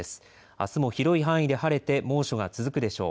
あすも広い範囲で晴れて猛暑が続くでしょう。